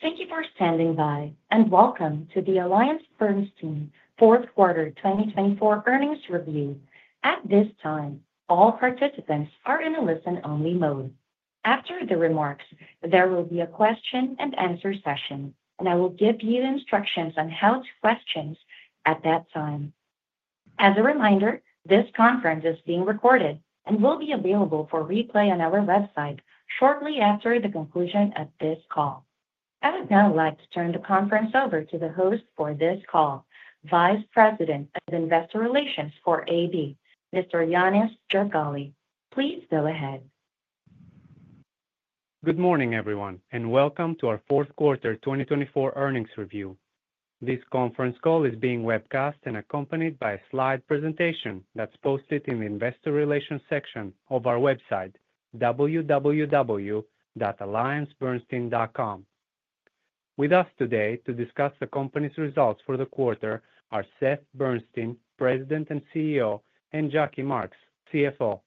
Thank you for standing by, and welcome to the AllianceBernstein fourth quarter 2024 earnings review. At this time, all participants are in a listen-only mode. After the remarks, there will be a question-and-answer session, and I will give you instructions on how to question at that time. As a reminder, this conference is being recorded and will be available for replay on our website shortly after the conclusion of this call. I would now like to turn the conference over to the host for this call, Vice President of Investor Relations for AB, Mr. Ioanis Jorgali. Please go ahead. Good morning, everyone, and welcome to our fourth quarter 2024 earnings review. This conference call is being webcast and accompanied by a slide presentation that's posted in the Investor Relations section of our website, www.alliancebernstein.com. With us today to discuss the company's results for the quarter are Seth Bernstein, President and CEO, and Jackie Marks, CFO.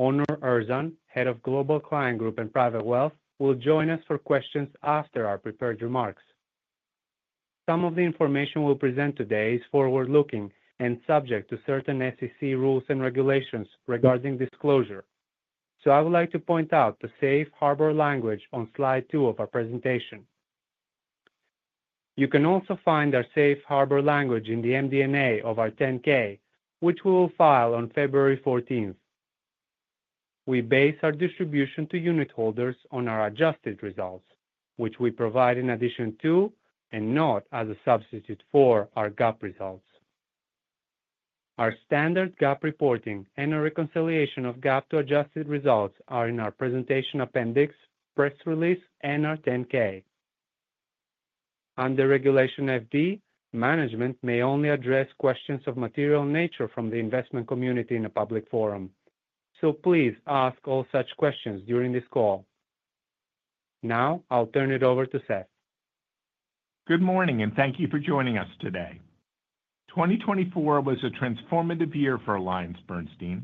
Onur Erzan, Head of Global Client Group and Private Wealth, will join us for questions after our prepared remarks. Some of the information we'll present today is forward-looking and subject to certain SEC rules and regulations regarding disclosure, so I would like to point out the safe harbor language on slide two of our presentation. You can also find our safe harbor language in the MD&A of our 10-K, which we will file on February 14th. We base our distribution to unitholders on our adjusted results, which we provide in addition to and not as a substitute for our GAAP results. Our standard GAAP reporting and a reconciliation of GAAP to adjusted results are in our presentation appendix, press release, and our 10-K. Under Regulation FD, management may only address questions of material nature from the investment community in a public forum, so please ask all such questions during this call. Now, I'll turn it over to Seth. Good morning, and thank you for joining us today. 2024 was a transformative year for AllianceBernstein.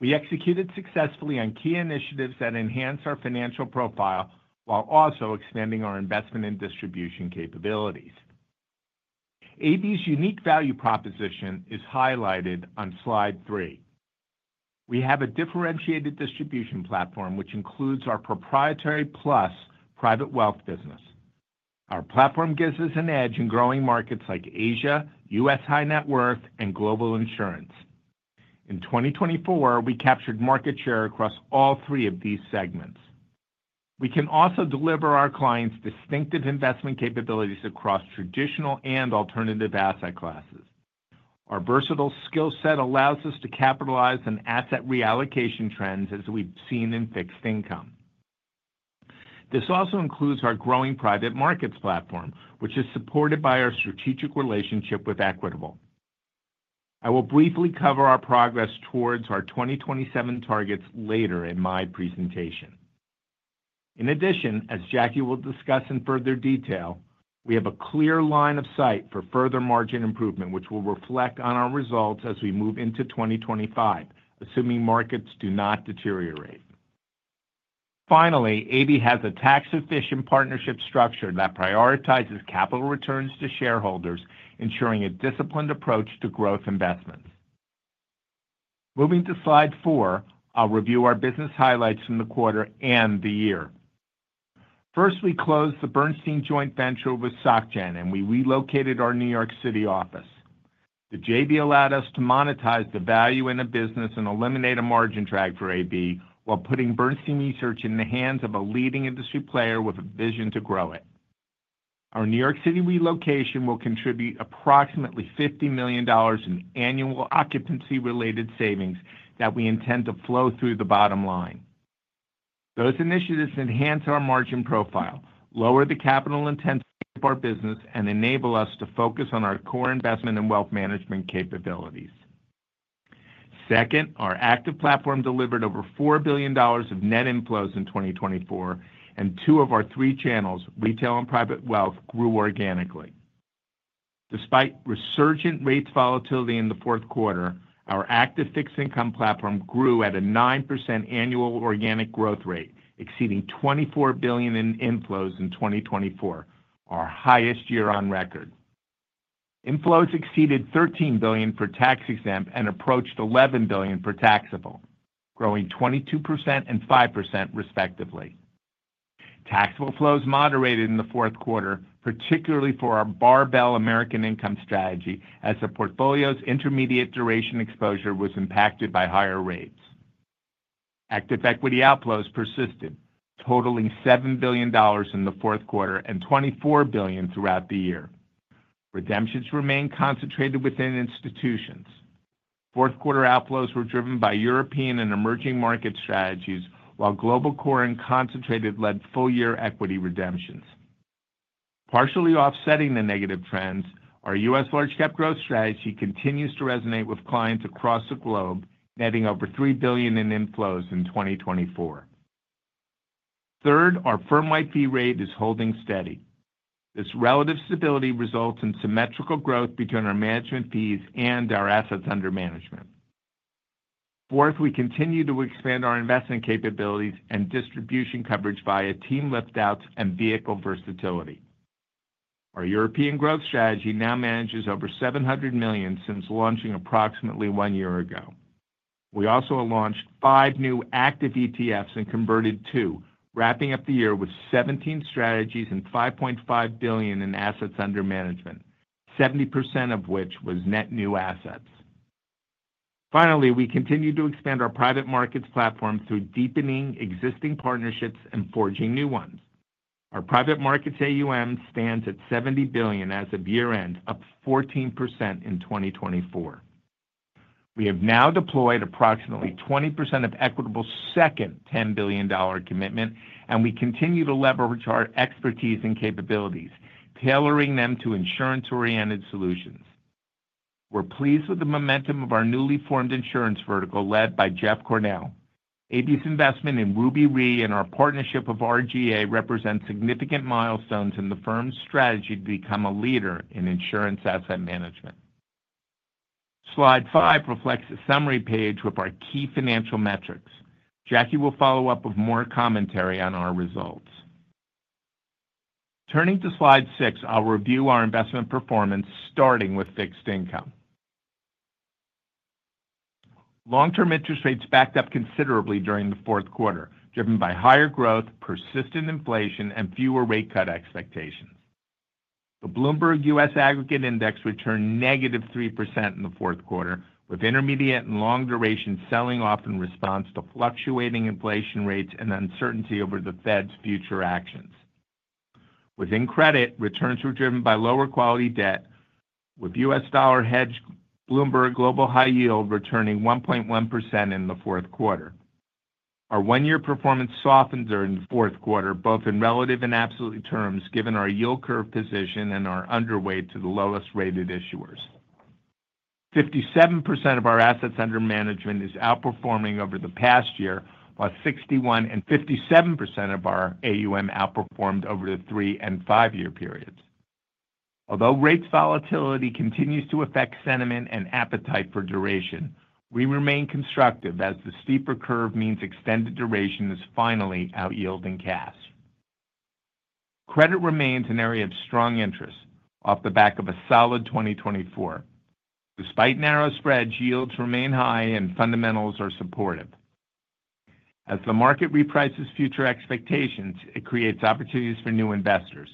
We executed successfully on key initiatives that enhanced our financial profile while also expanding our investment and distribution capabilities. AB's unique value proposition is highlighted on slide three. We have a differentiated distribution platform, which includes our Proprietary-Plus Private Wealth business. Our platform gives us an edge in growing markets like Asia, U.S. high-net worth, and global insurance. In 2024, we captured market share across all three of these segments. We can also deliver our clients distinctive investment capabilities across traditional and alternative asset classes. Our versatile skill set allows us to capitalize on asset reallocation trends as we've seen in fixed income. This also includes our growing private markets platform, which is supported by our strategic relationship with Equitable. I will briefly cover our progress towards our 2027 targets later in my presentation. In addition, as Jackie will discuss in further detail, we have a clear line of sight for further margin improvement, which will reflect on our results as we move into 2025, assuming markets do not deteriorate. Finally, AB has a tax-efficient partnership structure that prioritizes capital returns to shareholders, ensuring a disciplined approach to growth investments. Moving to slide four, I'll review our business highlights from the quarter and the year. First, we closed the Bernstein joint venture with SocGen, and we relocated our New York City office. The JV allowed us to monetize the value in a business and eliminate a margin drag for AB while putting Bernstein Research in the hands of a leading industry player with a vision to grow it. Our New York City relocation will contribute approximately $50 million in annual occupancy-related savings that we intend to flow through the bottom line. Those initiatives enhance our margin profile, lower the capital intensity of our business, and enable us to focus on our core investment and wealth management capabilities. Second, our active platform delivered over $4 billion of net inflows in 2024, and two of our three channels, retail and private wealth, grew organically. Despite resurgent rates volatility in the fourth quarter, our active fixed income platform grew at a 9% annual organic growth rate, exceeding $24 billion in inflows in 2024, our highest year on record. Inflows exceeded $13 billion for tax-exempt and approached $11 billion for taxable, growing 22% and 5% respectively. Taxable flows moderated in the fourth quarter, particularly for our barbell American Income strategy, as the portfolio's intermediate duration exposure was impacted by higher rates. Active equity outflows persisted, totaling $7 billion in the fourth quarter and $24 billion throughout the year. Redemptions remained concentrated within institutions. Fourth quarter outflows were driven by European and emerging market strategies, while Global Core and Concentrated led full-year equity redemptions. Partially offsetting the negative trends, our U.S. Large Cap Growth strategy continues to resonate with clients across the globe, netting over $3 billion in inflows in 2024. Third, our firm-wide fee rate is holding steady. This relative stability results in symmetrical growth between our management fees and our assets under management. Fourth, we continue to expand our investment capabilities and distribution coverage via team lift-outs and vehicle versatility. Our European Growth strategy now manages over $700 million since launching approximately one year ago. We also launched five new active ETFs and converted two, wrapping up the year with 17 strategies and $5.5 billion in assets under management, 70% of which was net new assets. Finally, we continue to expand our private markets platform through deepening existing partnerships and forging new ones. Our private markets AUM stands at $70 billion as of year-end, up 14% in 2024. We have now deployed approximately 20% of Equitable's second $10 billion commitment, and we continue to leverage our expertise and capabilities, tailoring them to insurance-oriented solutions. We're pleased with the momentum of our newly formed insurance vertical led by Geoff Cornell. AB's investment in Ruby Re and our partnership with RGA represent significant milestones in the firm's strategy to become a leader in insurance asset management. Slide five reflects a summary page with our key financial metrics. Jackie will follow up with more commentary on our results. Turning to slide six, I'll review our investment performance starting with fixed income. Long-term interest rates backed up considerably during the fourth quarter, driven by higher growth, persistent inflation, and fewer rate cut expectations. The Bloomberg U.S. Aggregate Index returned -3% in the fourth quarter, with intermediate and long duration selling off in response to fluctuating inflation rates and uncertainty over the Fed's future actions. Within credit, returns were driven by lower quality debt, with U.S. dollar hedged Bloomberg Global High Yield returning 1.1% in the fourth quarter. Our one-year performance softened during the fourth quarter, both in relative and absolute terms, given our yield curve position and our underweight to the lowest-rated issuers. 57% of our assets under management is outperforming over the past year, while 61% and 57% of our AUM outperformed over the three and five-year periods. Although rates volatility continues to affect sentiment and appetite for duration, we remain constructive as the steeper curve means extended duration is finally out-yielding cash. Credit remains an area of strong interest off the back of a solid 2024. Despite narrow spreads, yields remain high, and fundamentals are supportive. As the market reprices future expectations, it creates opportunities for new investors.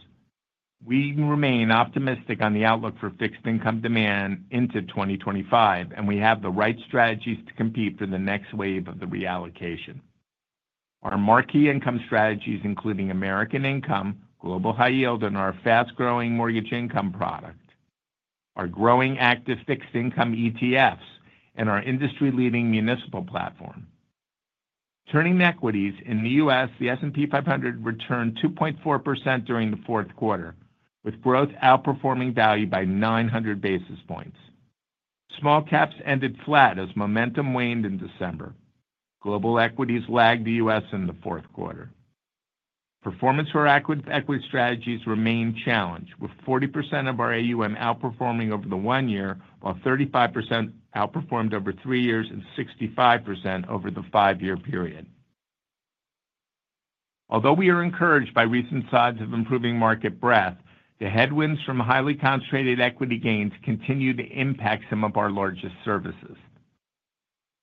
We remain optimistic on the outlook for fixed income demand into 2025, and we have the right strategies to compete for the next wave of the reallocation. Our marquee income strategies include American Income, Global High Yield, and our fast-growing mortgage income product, our growing active fixed income ETFs, and our industry-leading municipal platform. Turning to equities, in the U.S., the S&P 500 returned 2.4% during the fourth quarter, with growth outperforming value by 900 basis points. Small caps ended flat as momentum waned in December. Global equities lagged the U.S. in the fourth quarter. Performance for equity strategies remained challenged, with 40% of our AUM outperforming over the one-year, while 35% outperformed over three years and 65% over the five-year period. Although we are encouraged by recent signs of improving market breadth, the headwinds from highly concentrated equity gains continue to impact some of our largest services.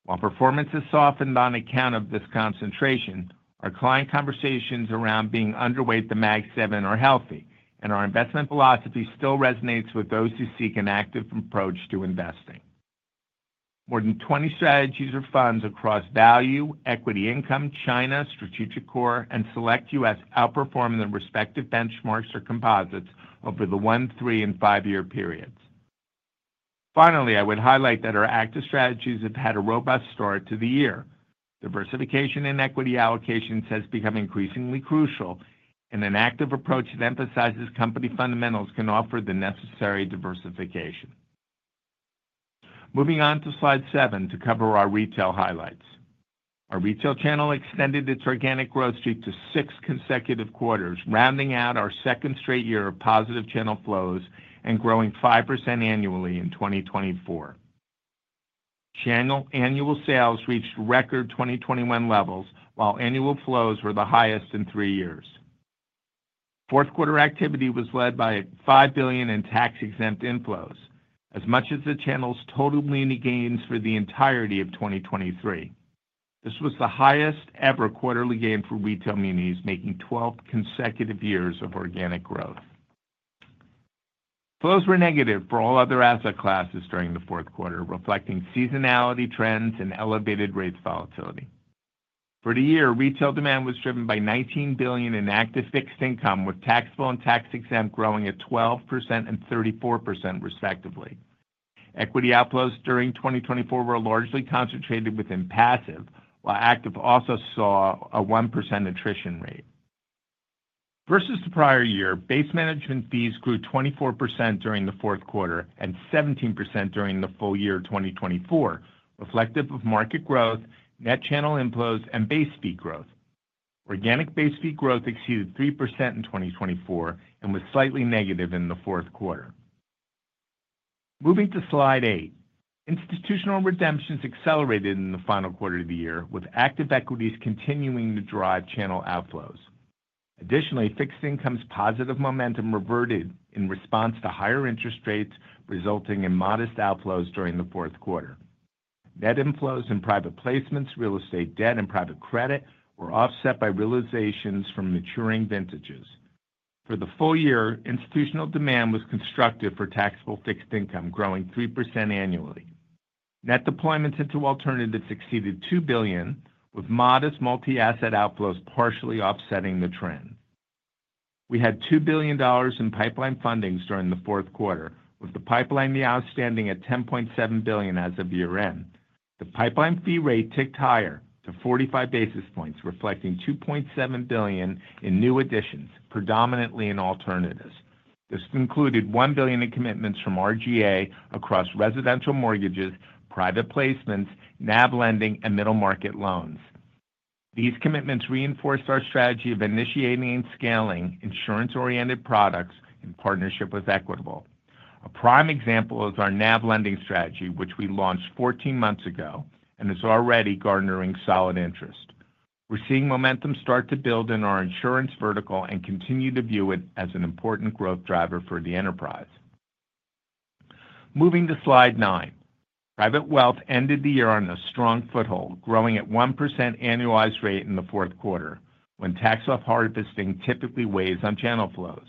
While performance has softened on account of this concentration, our client conversations around being underweight the Mag Seven are healthy, and our investment philosophy still resonates with those who seek an active approach to investing. More than 20 strategies or funds across Value, Equity Income, China, Strategic Core, and Select US outperformed their respective benchmarks or composites over the one, three, and five-year periods. Finally, I would highlight that our active strategies have had a robust start to the year. Diversification in equity allocations has become increasingly crucial, and an active approach that emphasizes company fundamentals can offer the necessary diversification. Moving on to slide seven to cover our retail highlights. Our retail channel extended its organic growth streak to six consecutive quarters, rounding out our second straight year of positive channel flows and growing 5% annually in 2024. Channel annual sales reached record 2021 levels, while annual flows were the highest in three years. Fourth quarter activity was led by $5 billion in tax-exempt inflows, as much as the channel's total muni gains for the entirety of 2023. This was the highest-ever quarterly gain for retail munis, making 12 consecutive years of organic growth. Flows were negative for all other asset classes during the fourth quarter, reflecting seasonality trends and elevated rates volatility. For the year, retail demand was driven by $19 billion in active fixed income, with taxable and tax-exempt growing at 12% and 34% respectively. Equity outflows during 2024 were largely concentrated within passive, while active also saw a 1% attrition rate. Versus the prior year, base management fees grew 24% during the fourth quarter and 17% during the full year 2024, reflective of market growth, net channel inflows, and base fee growth. Organic base fee growth exceeded 3% in 2024 and was slightly negative in the fourth quarter. Moving to slide eight, institutional redemptions accelerated in the final quarter of the year, with active equities continuing to drive channel outflows. Additionally, fixed income's positive momentum reverted in response to higher interest rates, resulting in modest outflows during the fourth quarter. Net inflows in private placements, real estate debt, and private credit were offset by realizations from maturing vintages. For the full year, institutional demand was constructive for taxable fixed income, growing 3% annually. Net deployment into alternatives exceeded $2 billion, with modest multi-asset outflows partially offsetting the trend. We had $2 billion in pipeline fundings during the fourth quarter, with the pipeline now standing at $10.7 billion as of year-end. The pipeline fee rate ticked higher to 45 basis points, reflecting $2.7 billion in new additions, predominantly in alternatives. This included $1 billion in commitments from RGA across residential mortgages, private placements, NAV lending, and middle market loans. These commitments reinforced our strategy of initiating and scaling insurance-oriented products in partnership with Equitable. A prime example is our NAV lending strategy, which we launched 14 months ago and is already garnering solid interest. We're seeing momentum start to build in our insurance vertical and continue to view it as an important growth driver for the enterprise. Moving to slide nine, private wealth ended the year on a strong foothold, growing at 1% annualized rate in the fourth quarter, when tax-loss harvesting typically weighs on channel flows.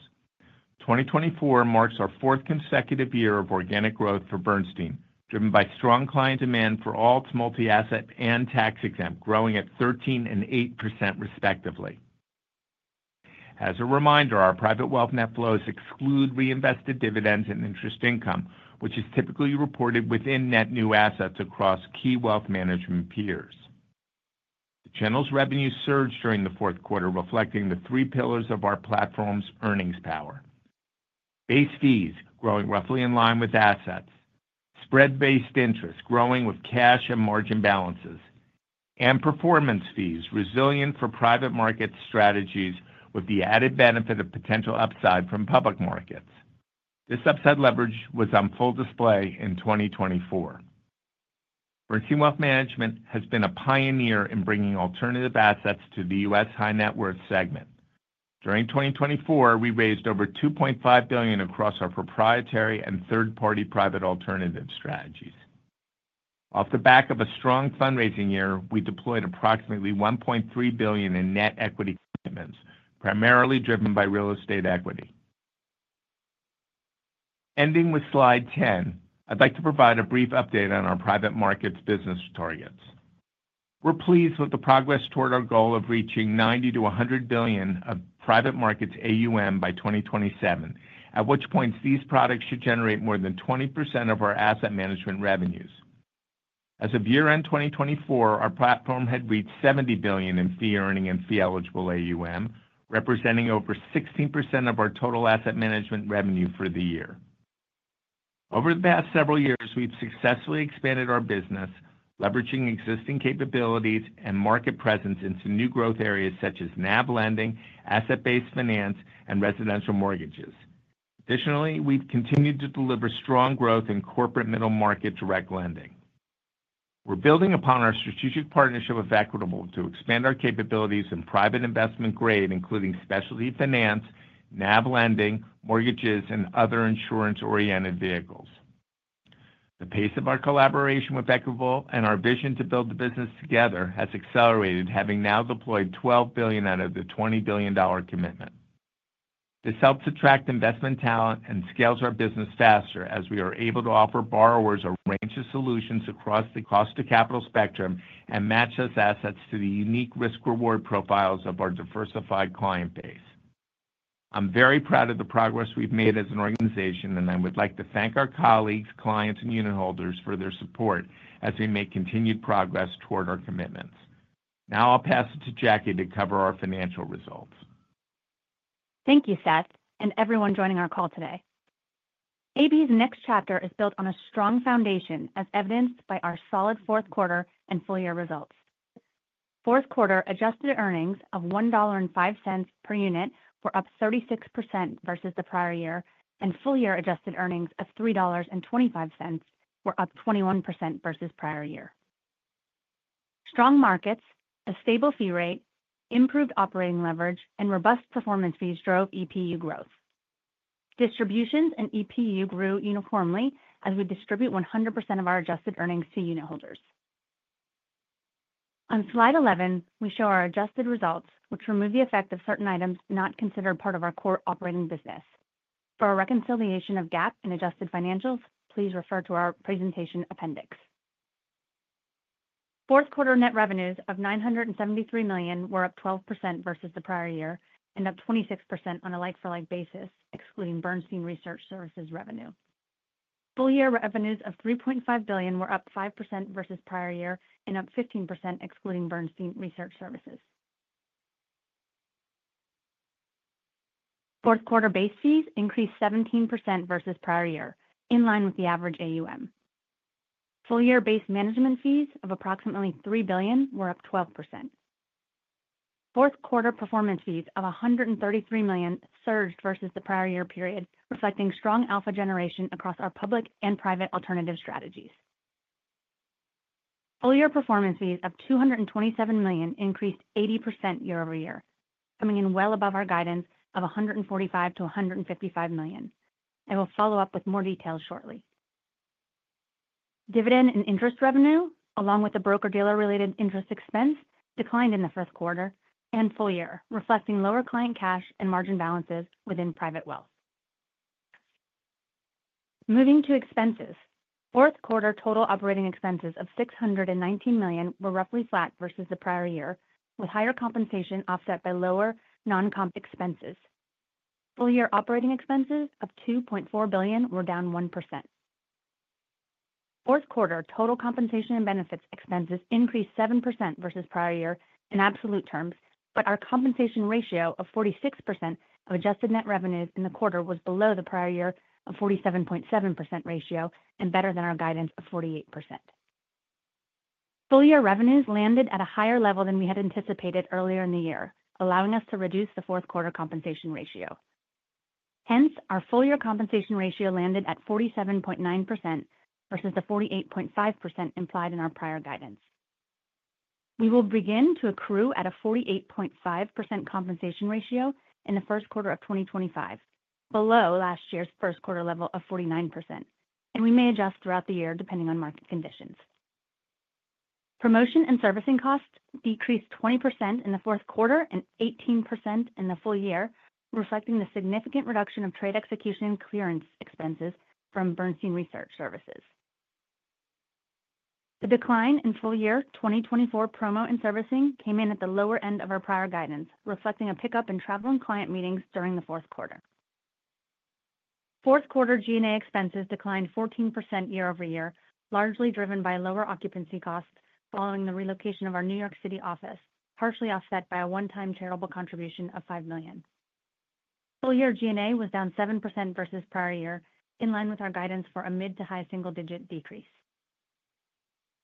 2024 marks our fourth consecutive year of organic growth for Bernstein, driven by strong client demand for all its multi-asset and tax-exempt growing at 13% and 8% respectively. As a reminder, our private wealth net flows exclude reinvested dividends and interest income, which is typically reported within net new assets across key wealth management peers. The channel's revenue surged during the fourth quarter, reflecting the three pillars of our platform's earnings power: base fees, growing roughly in line with assets, spread-based interest, growing with cash and margin balances, and performance fees, resilient for private market strategies with the added benefit of potential upside from public markets. This upside leverage was on full display in 2024. Bernstein Wealth Management has been a pioneer in bringing alternative assets to the U.S. high net worth segment. During 2024, we raised over $2.5 billion across our proprietary and third-party private alternative strategies. Off the back of a strong fundraising year, we deployed approximately $1.3 billion in net equity commitments, primarily driven by real estate equity. Ending with slide 10, I'd like to provide a brief update on our private markets business targets. We're pleased with the progress toward our goal of reaching $90 billion-$100 billion of private markets AUM by 2027, at which point these products should generate more than 20% of our asset management revenues. As of year-end 2024, our platform had reached $70 billion in fee-earning and fee-eligible AUM, representing over 16% of our total asset management revenue for the year. Over the past several years, we've successfully expanded our business, leveraging existing capabilities and market presence into new growth areas such as NAV lending, asset-based finance, and residential mortgages. Additionally, we've continued to deliver strong growth in corporate middle market direct lending. We're building upon our strategic partnership with Equitable to expand our capabilities in private investment grade, including specialty finance, NAV lending, mortgages, and other insurance-oriented vehicles. The pace of our collaboration with Equitable and our vision to build the business together has accelerated, having now deployed $12 billion out of the $20 billion commitment. This helps attract investment talent and scales our business faster as we are able to offer borrowers a range of solutions across the cost-of-capital spectrum and match those assets to the unique risk-reward profiles of our diversified client base. I'm very proud of the progress we've made as an organization, and I would like to thank our colleagues, clients, and unit holders for their support as we make continued progress toward our commitments. Now I'll pass it to Jackie to cover our financial results. Thank you, Seth, and everyone joining our call today. AB's next chapter is built on a strong foundation, as evidenced by our solid fourth quarter and full year results. Fourth quarter adjusted earnings of $1.05 per unit were up 36% versus the prior year, and full year adjusted earnings of $3.25 were up 21% versus prior year. Strong markets, a stable fee rate, improved operating leverage, and robust performance fees drove EPU growth. Distributions and EPU grew uniformly as we distribute 100% of our adjusted earnings to unit holders. On slide 11, we show our adjusted results, which remove the effect of certain items not considered part of our core operating business. For a reconciliation of GAAP in adjusted financials, please refer to our presentation appendix. Fourth quarter net revenues of $973 million were up 12% versus the prior year and up 26% on a like-for-like basis, excluding Bernstein Research Services revenue. Full year revenues of $3.5 billion were up 5% versus prior year and up 15%, excluding Bernstein Research Services. Fourth quarter base fees increased 17% versus prior year, in line with the average AUM. Full year base management fees of approximately $3 billion were up 12%. Fourth quarter performance fees of $133 million surged versus the prior year period, reflecting strong alpha generation across our public and private alternative strategies. Full year performance fees of $227 million increased 80% year-over-year, coming in well above our guidance of $145 million-$155 million. I will follow up with more details shortly. Dividend and interest revenue, along with the broker-dealer-related interest expense, declined in the fourth quarter and full year, reflecting lower client cash and margin balances within private wealth. Moving to expenses, fourth quarter total operating expenses of $619 million were roughly flat versus the prior year, with higher compensation offset by lower non-comp expenses. Full year operating expenses of $2.4 billion were down 1%. Fourth quarter total compensation and benefits expenses increased 7% versus prior year in absolute terms, but our compensation ratio of 46% of adjusted net revenues in the quarter was below the prior year of 47.7% ratio and better than our guidance of 48%. Full year revenues landed at a higher level than we had anticipated earlier in the year, allowing us to reduce the fourth quarter compensation ratio. Hence, our full-year compensation ratio landed at 47.9% versus the 48.5% implied in our prior guidance. We will begin to accrue at a 48.5% compensation ratio in the first quarter of 2025, below last year's first quarter level of 49%, and we may adjust throughout the year depending on market conditions. Promotion and servicing costs decreased 20% in the fourth quarter and 18% in the full year, reflecting the significant reduction of trade execution and clearance expenses from Bernstein Research services. The decline in full year 2024 promo and servicing came in at the lower end of our prior guidance, reflecting a pickup in travel and client meetings during the fourth quarter. Fourth quarter G&A expenses declined 14% year-over-year, largely driven by lower occupancy costs following the relocation of our New York City office, partially offset by a one-time charitable contribution of $5 million. Full year G&A was down 7% versus prior year, in line with our guidance for a mid to high single-digit decrease.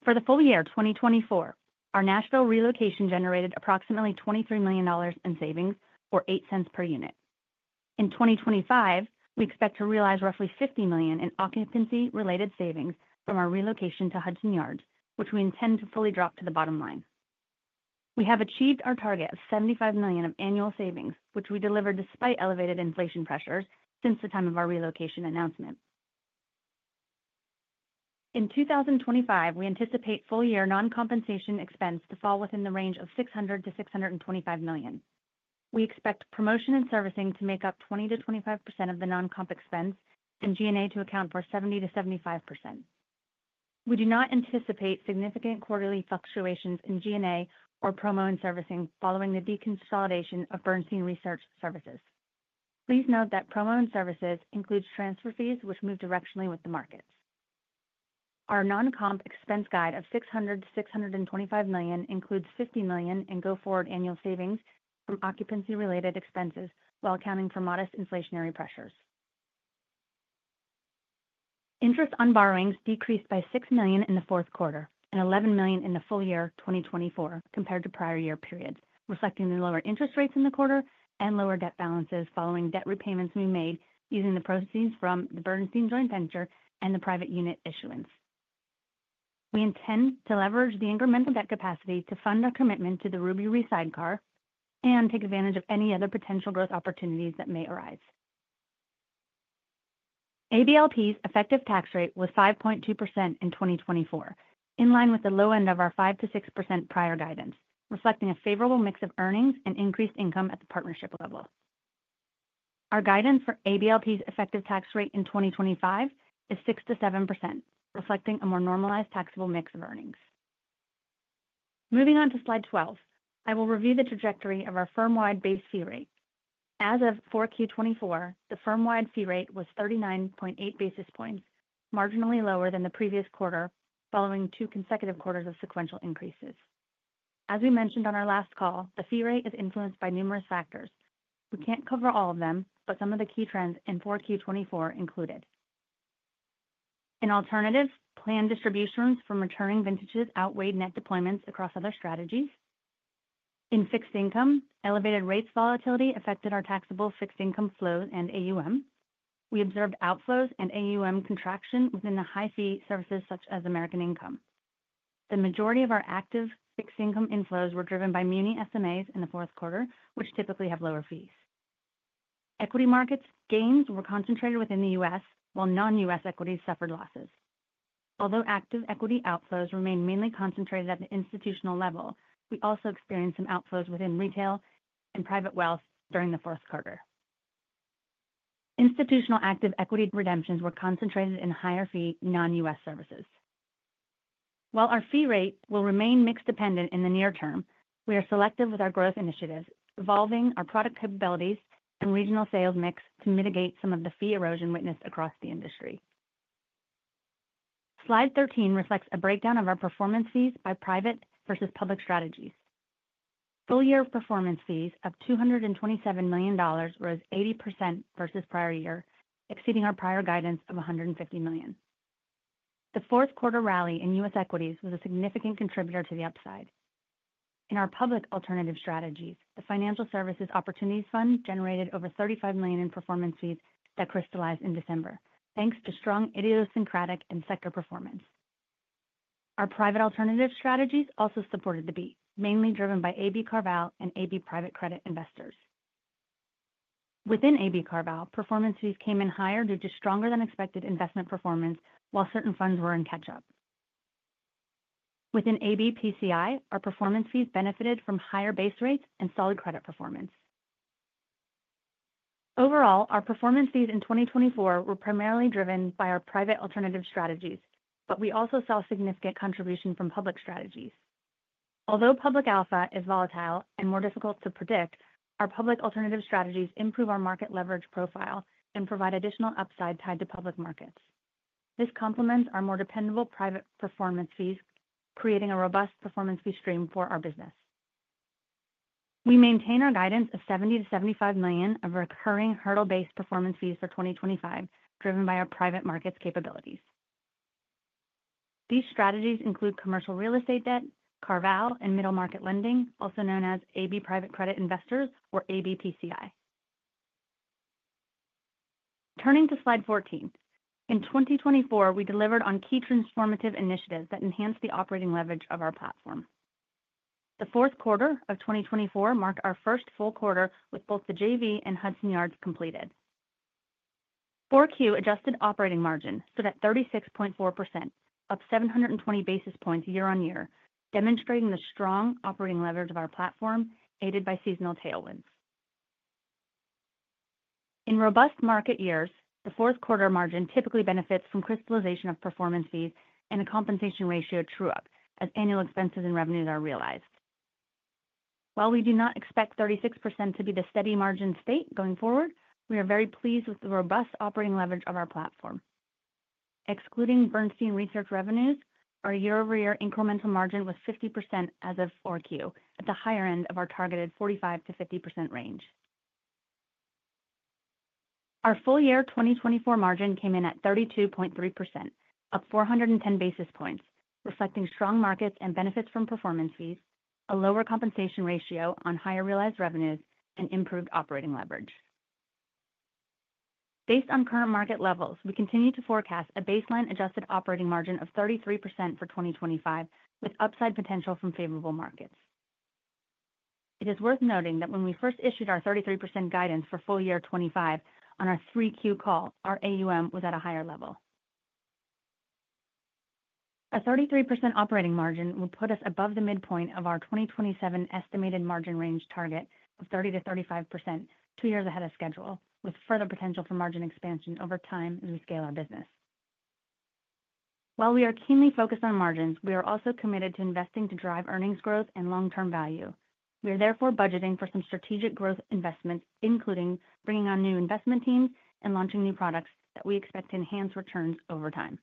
For the full year 2024, our Nashville relocation generated approximately $23 million in savings or $0.08 per unit. In 2025, we expect to realize roughly $50 million in occupancy-related savings from our relocation to Hudson Yards, which we intend to fully drop to the bottom line. We have achieved our target of $75 million of annual savings, which we delivered despite elevated inflation pressures since the time of our relocation announcement. In 2025, we anticipate full year non-compensation expense to fall within the range of $600 million-$625 million. We expect promotion and servicing to make up 20%-25% of the non-comp expense and G&A to account for 70%-75%. We do not anticipate significant quarterly fluctuations in G&A or promo and servicing following the deconsolidation of Bernstein Research Services. Please note that promo and servicing includes transfer fees, which move directionally with the markets. Our non-comp expense guide of $600 million-$625 million includes $50 million in go forward annual savings from occupancy-related expenses while accounting for modest inflationary pressures. Interest on borrowings decreased by $6 million in the fourth quarter and $11 million in the full year 2024 compared to prior year periods, reflecting the lower interest rates in the quarter and lower debt balances following debt repayments we made using the proceeds from the Bernstein joint venture and the private unit issuance. We intend to leverage the incremental debt capacity to fund our commitment to the Ruby Re sidecar and take advantage of any other potential growth opportunities that may arise. ABLP's effective tax rate was 5.2% in 2024, in line with the low end of our 5%-6% prior guidance, reflecting a favorable mix of earnings and increased income at the partnership level. Our guidance for ABLP's effective tax rate in 2025 is 6%-7%, reflecting a more normalized taxable mix of earnings. Moving on to slide 12, I will review the trajectory of our firm-wide base fee rate. As of 4Q 2024, the firm-wide fee rate was 39.8 basis points, marginally lower than the previous quarter following two consecutive quarters of sequential increases. As we mentioned on our last call, the fee rate is influenced by numerous factors. We can't cover all of them, but some of the key trends in 4Q 2024 included. In alternatives, planned distributions from returning vintages outweighed net deployments across other strategies. In fixed income, elevated rates volatility affected our taxable fixed income flows and AUM. We observed outflows and AUM contraction within the high-fee services such as American Income. The majority of our active fixed income inflows were driven by muni SMAs in the fourth quarter, which typically have lower fees. Equity markets' gains were concentrated within the U.S., while non-U.S. equities suffered losses. Although active equity outflows remained mainly concentrated at the institutional level, we also experienced some outflows within retail and private wealth during the fourth quarter. Institutional active equity redemptions were concentrated in higher-fee non-U.S. services. While our fee rate will remain mix dependent in the near term, we are selective with our growth initiatives, evolving our product capabilities and regional sales mix to mitigate some of the fee erosion witnessed across the industry. Slide 13 reflects a breakdown of our performance fees by private versus public strategies. Full year performance fees of $227 million rose 80% versus prior year, exceeding our prior guidance of $150 million. The fourth quarter rally in U.S. equities was a significant contributor to the upside. In our public alternative strategies, the Financial Services Opportunities Fund generated over $35 million in performance fees that crystallized in December, thanks to strong idiosyncratic and sector performance. Our private alternative strategies also supported the beat, mainly driven by AB CarVal and AB Private Credit Investors. Within AB CarVal, performance fees came in higher due to stronger-than-expected investment performance, while certain funds were in catch-up. Within AB PCI, our performance fees benefited from higher base rates and solid credit performance. Overall, our performance fees in 2024 were primarily driven by our private alternative strategies, but we also saw significant contribution from public strategies. Although public alpha is volatile and more difficult to predict, our public alternative strategies improve our market leverage profile and provide additional upside tied to public markets. This complements our more dependable private performance fees, creating a robust performance fee stream for our business. We maintain our guidance of $70 million-$75 million of recurring hurdle-based performance fees for 2025, driven by our private markets capabilities. These strategies include commercial real estate debt, CarVal, and middle market lending, also known as AB Private Credit Investors or AB PCI. Turning to slide 14, in 2024, we delivered on key transformative initiatives that enhanced the operating leverage of our platform. The fourth quarter of 2024 marked our first full quarter with both the JV and Hudson Yards completed. 4Q adjusted operating margin stood at 36.4%, up 720 basis points year on year, demonstrating the strong operating leverage of our platform aided by seasonal tailwinds. In robust market years, the fourth quarter margin typically benefits from crystallization of performance fees and a compensation ratio true-up as annual expenses and revenues are realized. While we do not expect 36% to be the steady margin state going forward, we are very pleased with the robust operating leverage of our platform. Excluding Bernstein Research revenues, our year-over-year incremental margin was 50% as of 4Q, at the higher end of our targeted 45%-50% range. Our full year 2024 margin came in at 32.3%, up 410 basis points, reflecting strong markets and benefits from performance fees, a lower compensation ratio on higher realized revenues, and improved operating leverage. Based on current market levels, we continue to forecast a baseline adjusted operating margin of 33% for 2025, with upside potential from favorable markets. It is worth noting that when we first issued our 33% guidance for full year 2025 on our 3Q call, our AUM was at a higher level. A 33% operating margin would put us above the midpoint of our 2027 estimated margin range target of 30%-35%, two years ahead of schedule, with further potential for margin expansion over time as we scale our business. While we are keenly focused on margins, we are also committed to investing to drive earnings growth and long-term value. We are therefore budgeting for some strategic growth investments, including bringing on new investment teams and launching new products that we expect to enhance returns over time.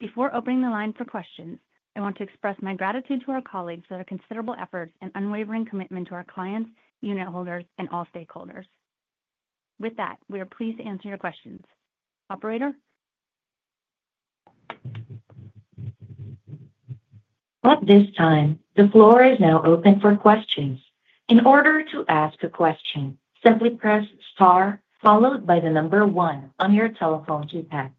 Before opening the line for questions, I want to express my gratitude to our colleagues for their considerable efforts and unwavering commitment to our clients, unit holders, and all stakeholders. With that, we are pleased to answer your questions. Operator. At this time, the floor is now open for questions. In order to ask a question, simply press star, followed by the number one on your telephone keypad.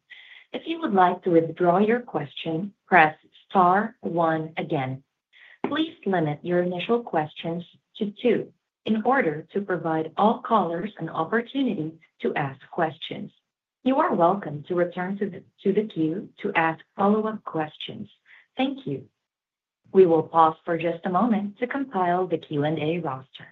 If you would like to withdraw your question, press star one again. Please limit your initial questions to two in order to provide all callers an opportunity to ask questions. You are welcome to return to the queue to ask follow-up questions. Thank you. We will pause for just a moment to compile the Q&A roster.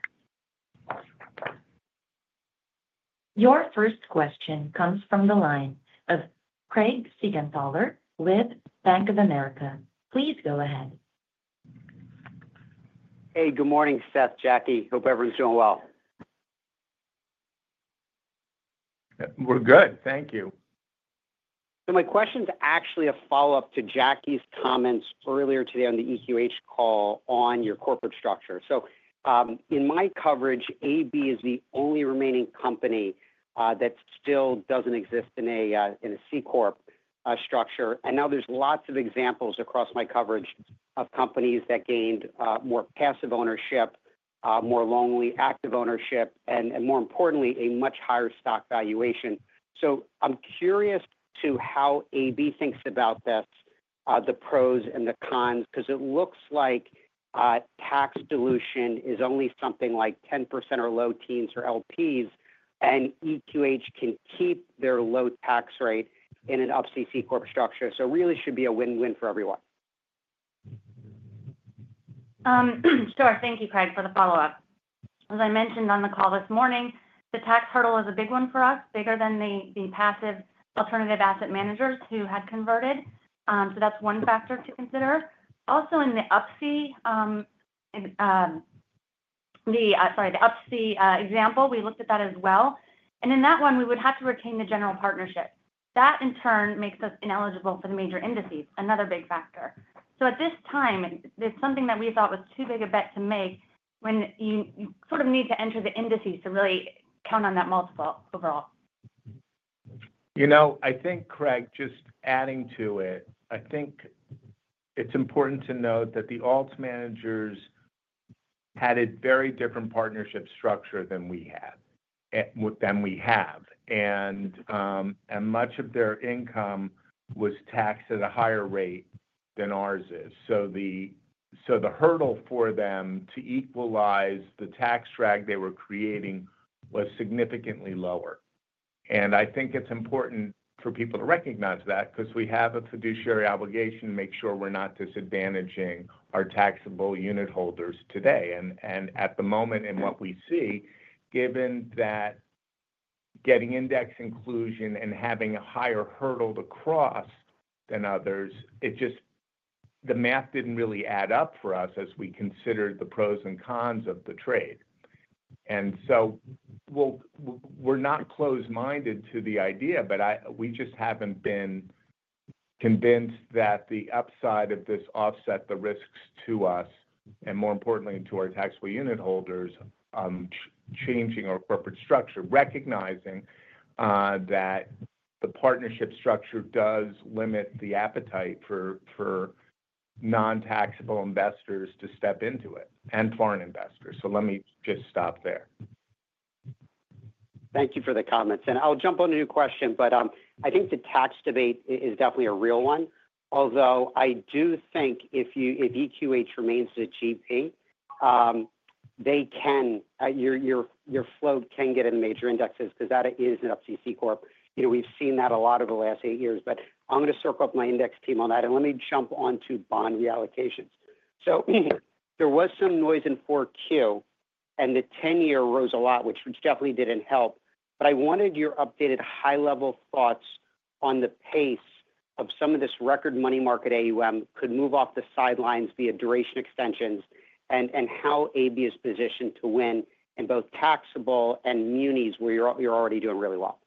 Your first question comes from the line of Craig Siegenthaler with Bank of America. Please go ahead. Hey, good morning, Seth, Jackie. Hope everyone's doing well. We're good. Thank you. So my question is actually a follow-up to Jackie's comments earlier today on the EQH call on your corporate structure. So in my coverage, AB is the only remaining company that still doesn't exist in a C Corp structure. And now there's lots of examples across my coverage of companies that gained more passive ownership, more only active ownership, and more importantly, a much higher stock valuation. So I'm curious to how AB thinks about this, the pros and the cons, because it looks like tax dilution is only something like 10% or low teens or LPs, and EQH can keep their low tax rate in an Up-C C Corp structure. So it really should be a win-win for everyone. Sure. Thank you, Craig, for the follow-up. As I mentioned on the call this morning, the tax hurdle is a big one for us, bigger than the passive alternative asset managers who had converted. So that's one factor to consider. Also, in the Up-C, sorry, the Up-C example, we looked at that as well. And in that one, we would have to retain the general partnership. That, in turn, makes us ineligible for the major indices, another big factor. So at this time, it's something that we thought was too big a bet to make when you sort of need to enter the indices to really count on that multiple overall. You know, I think, Craig, just adding to it, I think it's important to note that the alts managers had a very different partnership structure than we have. And much of their income was taxed at a higher rate than ours is. So the hurdle for them to equalize the tax drag they were creating was significantly lower. And I think it's important for people to recognize that because we have a fiduciary obligation to make sure we're not disadvantaging our taxable unit holders today. And at the moment, in what we see, given that getting index inclusion and having a higher hurdle to cross than others, it just, the math didn't really add up for us as we considered the pros and cons of the trade. And so we're not closed-minded to the idea, but we just haven't been convinced that the upside of this offsets the risks to us, and more importantly, to our taxable unit holders changing our corporate structure, recognizing that the partnership structure does limit the appetite for non-taxable investors to step into it and foreign investors. So let me just stop there. Thank you for the comments. And I'll jump on a new question, but I think the tax debate is definitely a real one. Although I do think if EQH remains the GP, they can, your float can get in major indexes because that is an Up-C C Corp. We've seen that a lot over the last eight years, but I'm going to circle up my index team on that, and let me jump on to bond reallocations, so there was some noise in 4Q, and the 10-year rose a lot, which definitely didn't help, but I wanted your updated high-level thoughts on the pace of some of this record money market AUM could move off the sidelines via duration extensions and how AB is positioned to win in both taxable and munis where you're already doing really well.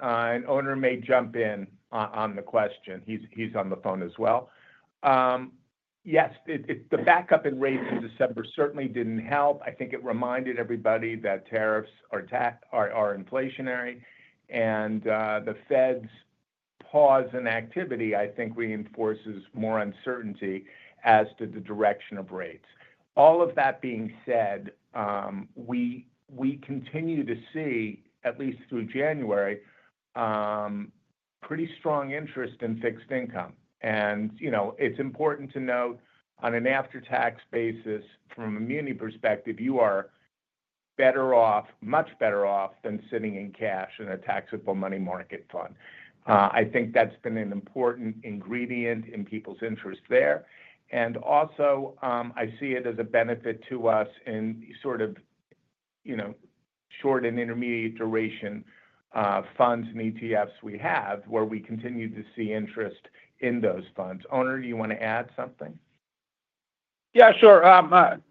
Well, let me start. Onur may jump in on the question. He's on the phone as well. Yes, the backup in rates in December certainly didn't help. I think it reminded everybody that tariffs are inflationary, and the Fed's pause in activity, I think, reinforces more uncertainty as to the direction of rates. All of that being said, we continue to see, at least through January, pretty strong interest in fixed income, and it's important to note on an after-tax basis, from a muni perspective, you are better off, much better off than sitting in cash in a taxable money market fund. I think that's been an important ingredient in people's interest there, and also, I see it as a benefit to us in sort of short and intermediate duration funds and ETFs we have, where we continue to see interest in those funds. Onur, do you want to add something? Yeah, sure.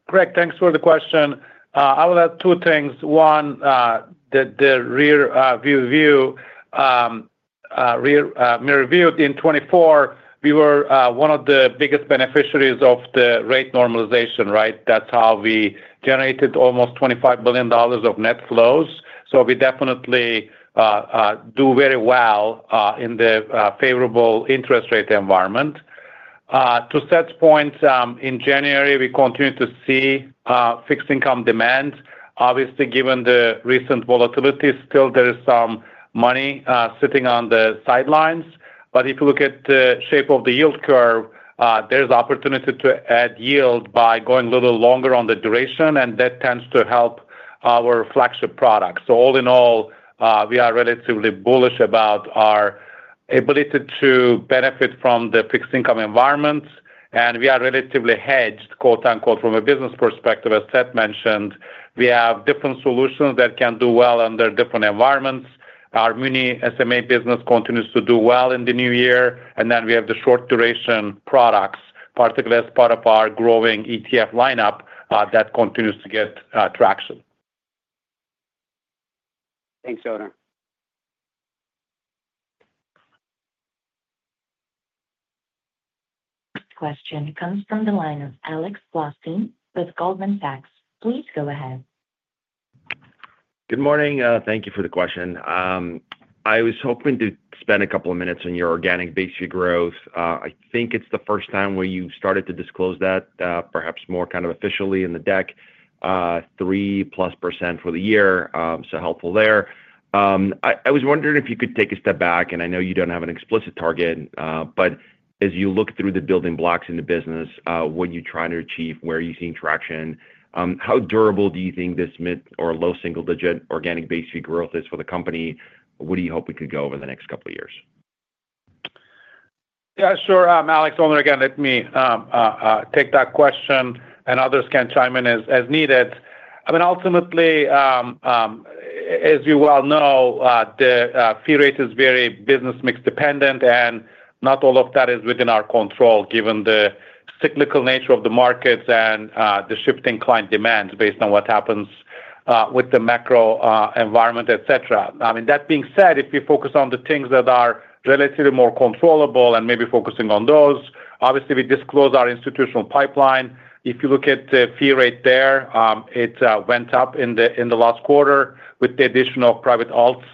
Craig, thanks for the question. I would add two things. One, the rear view, rear mirror view in 2024, we were one of the biggest beneficiaries of the rate normalization, right? That's how we generated almost $25 billion of net flows. So we definitely do very well in the favorable interest rate environment. To Seth's point, in January, we continue to see fixed income demand. Obviously, given the recent volatility, still there is some money sitting on the sidelines. But if you look at the shape of the yield curve, there's opportunity to add yield by going a little longer on the duration, and that tends to help our flagship products. So all in all, we are relatively bullish about our ability to benefit from the fixed income environments. And we are relatively hedged, quote unquote, from a business perspective, as Seth mentioned. We have different solutions that can do well under different environments. Our muni SMA business continues to do well in the new year. And then we have the short duration products, particularly as part of our growing ETF lineup that continues to get traction. Thanks, Onur. Question comes from the line of Alex Blostein with Goldman Sachs. Please go ahead. Good morning. Thank you for the question. I was hoping to spend a couple of minutes on your organic base fee growth. I think it's the first time where you started to disclose that, perhaps more kind of officially in the deck, 3%+ for the year. So helpful there. I was wondering if you could take a step back, and I know you don't have an explicit target, but as you look through the building blocks in the business, what are you trying to achieve? Where are you seeing traction? How durable do you think this mid or low single-digit organic base fee growth is for the company? What do you hope we could go over the next couple of years? Yeah, sure. Alex, Onur again, let me take that question, and others can chime in as needed. I mean, ultimately, as you well know, the fee rate is very business mix dependent, and not all of that is within our control, given the cyclical nature of the markets and the shifting client demands based on what happens with the macro environment, etc. I mean, that being said, if we focus on the things that are relatively more controllable and maybe focusing on those, obviously, we disclose our institutional pipeline. If you look at the fee rate there, it went up in the last quarter with the addition of private alts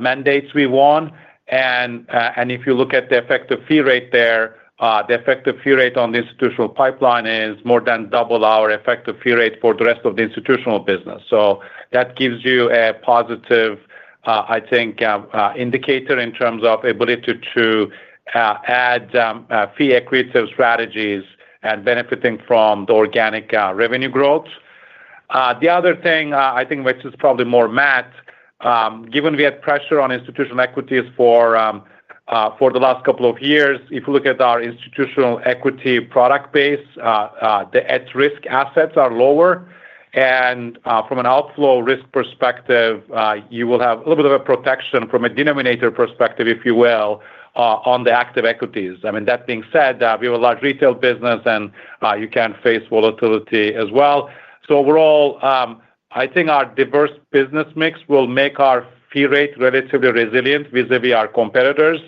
mandates we won. If you look at the effective fee rate there, the effective fee rate on the institutional pipeline is more than double our effective fee rate for the rest of the institutional business. That gives you a positive, I think, indicator in terms of ability to add fee equity strategies and benefiting from the organic revenue growth. The other thing, I think, which is probably more material, given we had pressure on institutional equities for the last couple of years, if you look at our institutional equity product base, the at-risk assets are lower. From an outflow risk perspective, you will have a little bit of a protection from a denominator perspective, if you will, on the active equities. I mean, that being said, we have a large retail business, and you can face volatility as well. So overall, I think our diverse business mix will make our fee rate relatively resilient vis-à-vis our competitors.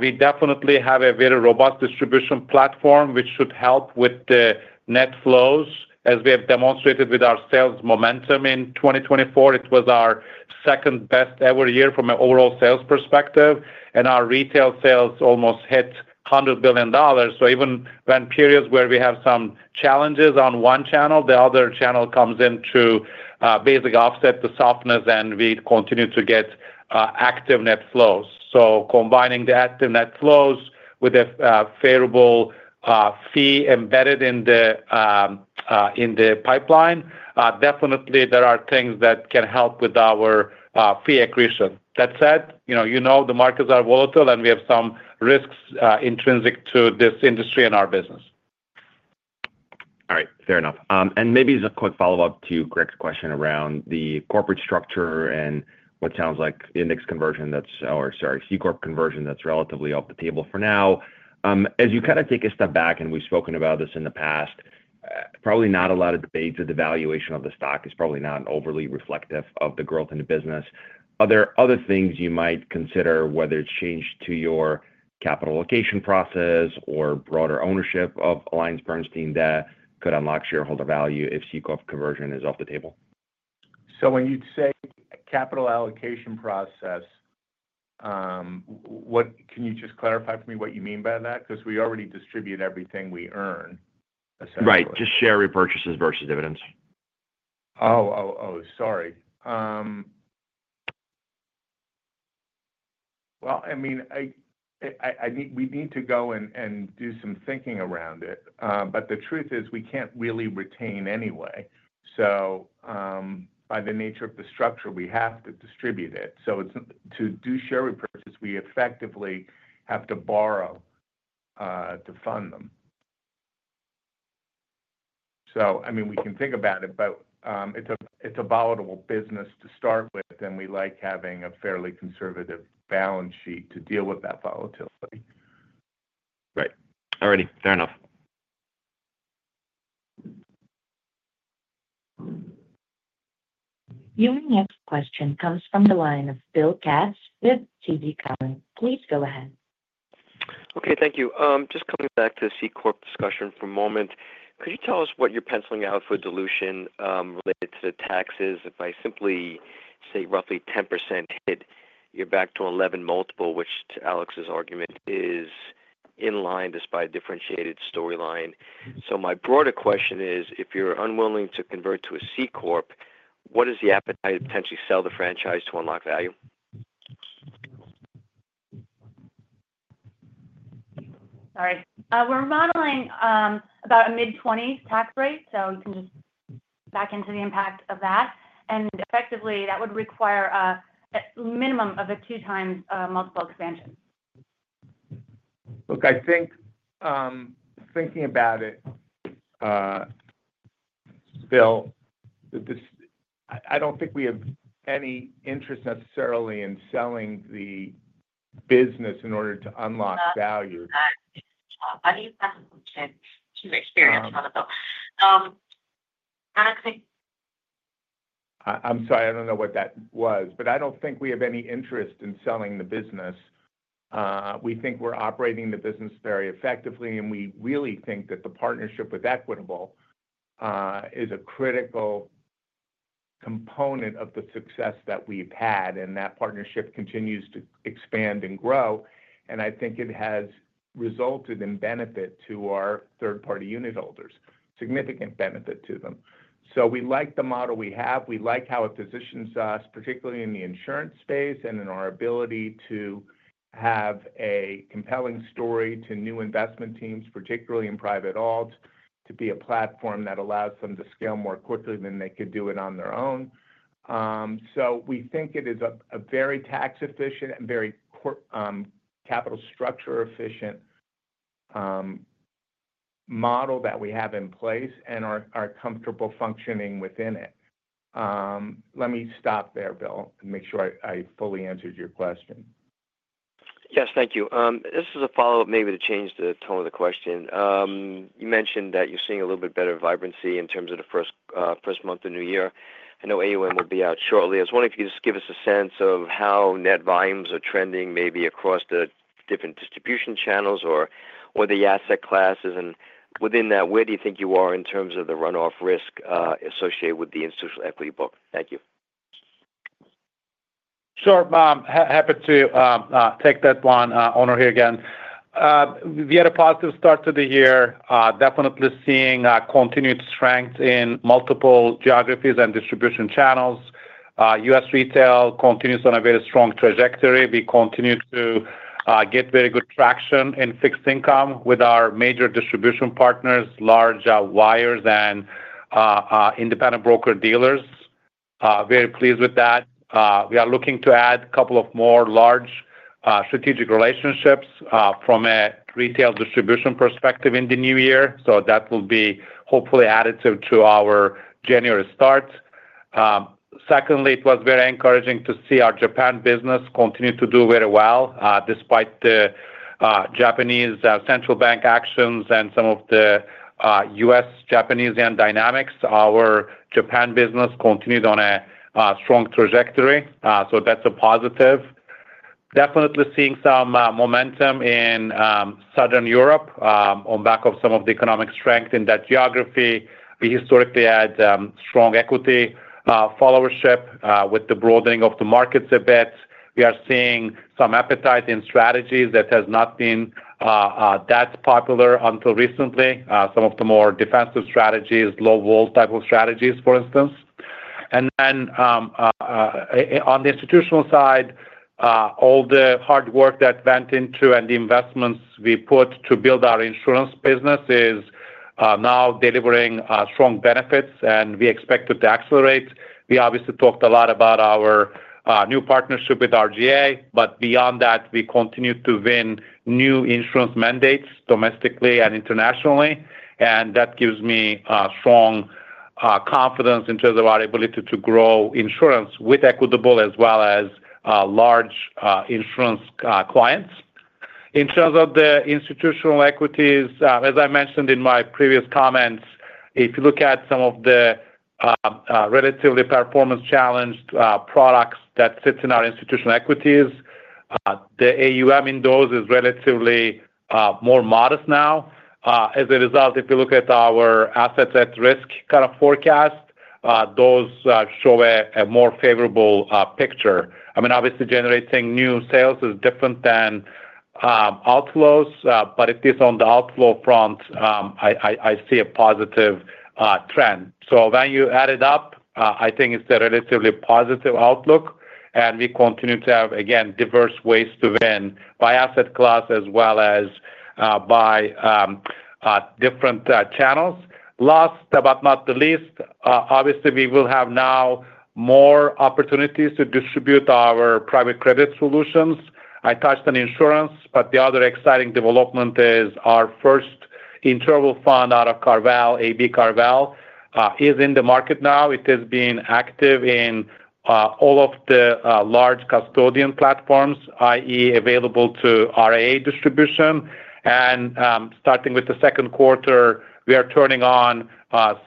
We definitely have a very robust distribution platform, which should help with the net flows, as we have demonstrated with our sales momentum in 2024. It was our second best ever year from an overall sales perspective. And our retail sales almost hit $100 billion. So even when periods where we have some challenges on one channel, the other channel comes in to basically offset the softness, and we continue to get active net flows. So combining the active net flows with a favorable fee embedded in the pipeline, definitely there are things that can help with our fee accretion. That said, you know the markets are volatile, and we have some risks intrinsic to this industry and our business. All right. Fair enough. And maybe as a quick follow-up to Craig's question around the corporate structure and what sounds like index conversion that's, or sorry, C Corp conversion that's relatively off the table for now. As you kind of take a step back, and we've spoken about this in the past, probably not a lot of debates at the valuation of the stock is probably not overly reflective of the growth in the business. Are there other things you might consider, whether it's changed to your capital allocation process or broader ownership of AllianceBernstein that could unlock shareholder value if C Corp conversion is off the table? So when you'd say capital allocation process, can you just clarify for me what you mean by that? Because we already distribute everything we earn. Right. Just share repurchases versus dividends. Oh, oh, oh. Sorry. I mean, we need to go and do some thinking around it. But the truth is we can't really retain anyway. So by the nature of the structure, we have to distribute it. So to do share repurchase, we effectively have to borrow to fund them. So I mean, we can think about it, but it's a volatile business to start with, and we like having a fairly conservative balance sheet to deal with that volatility. Right. All righty. Fair enough. Your next question comes from the line of Bill Katz with TD Cowen. Please go ahead. Okay. Thank you. Just coming back to the C Corp discussion for a moment. Could you tell us what you're penciling out for dilution related to the taxes? If I simply say roughly 10% hit, you're back to 11 multiple, which to Alex's argument is in line despite a differentiated storyline. So my broader question is, if you're unwilling to convert to a C Corp, what is the appetite to potentially sell the franchise to unlock value? Sorry. We're modeling about a mid-20s tax rate, so you can just back into the impact of that. And effectively, that would require a minimum of a two-times multiple expansion. Look, I think thinking about it, Bill, I don't think we have any interest necessarily in selling the business in order to unlock value. I'm sorry. I don't know what that was, but I don't think we have any interest in selling the business. We think we're operating the business very effectively, and we really think that the partnership with Equitable is a critical component of the success that we've had, and that partnership continues to expand and grow. And I think it has resulted in benefit to our third-party unit holders, significant benefit to them. So we like the model we have. We like how it positions us, particularly in the insurance space and in our ability to have a compelling story to new investment teams, particularly in private alts, to be a platform that allows them to scale more quickly than they could do it on their own. So we think it is a very tax-efficient and very capital structure-efficient model that we have in place and are comfortable functioning within it. Let me stop there, Bill, and make sure I fully answered your question. Yes, thank you. This is a follow-up maybe to change the tone of the question. You mentioned that you're seeing a little bit better vibrancy in terms of the first month of new year. I know AUM will be out shortly. I was wondering if you could just give us a sense of how net volumes are trending maybe across the different distribution channels or the asset classes. And within that, where do you think you are in terms of the runoff risk associated with the institutional equity book? Thank you. Sure. Happy to take that one, Onur here again. We had a positive start to the year, definitely seeing continued strength in multiple geographies and distribution channels. U.S. retail continues on a very strong trajectory. We continue to get very good traction in fixed income with our major distribution partners, large wires, and independent broker-dealers. Very pleased with that. We are looking to add a couple of more large strategic relationships from a retail distribution perspective in the new year. So that will be hopefully additive to our January start. Secondly, it was very encouraging to see our Japan business continue to do very well despite the Japanese central bank actions and some of the U.S.-Japanese yen dynamics. Our Japan business continued on a strong trajectory. So that's a positive. Definitely seeing some momentum in Southern Europe on the back of some of the economic strength in that geography. We historically had strong equity followership with the broadening of the markets a bit. We are seeing some appetite in strategies that has not been that popular until recently, some of the more defensive strategies, low-vol type of strategies, for instance. And then on the institutional side, all the hard work that went into and the investments we put to build our insurance business is now delivering strong benefits, and we expect it to accelerate. We obviously talked a lot about our new partnership with RGA, but beyond that, we continue to win new insurance mandates domestically and internationally, and that gives me strong confidence in terms of our ability to grow insurance with Equitable as well as large insurance clients. In terms of the institutional equities, as I mentioned in my previous comments, if you look at some of the relatively performance-challenged products that sit in our institutional equities, the AUM in those is relatively more modest now. As a result, if you look at our assets at risk kind of forecast, those show a more favorable picture. I mean, obviously, generating new sales is different than outflows, but at least on the outflow front, I see a positive trend, so when you add it up, I think it's a relatively positive outlook. We continue to have, again, diverse ways to win by asset class as well as by different channels. Last but not the least, obviously, we will have now more opportunities to distribute our private credit solutions. I touched on insurance, but the other exciting development is our first interval fund out of CarVal, AB CarVal, is in the market now. It has been active in all of the large custodian platforms, i.e., available to RIA distribution. And starting with the second quarter, we are turning on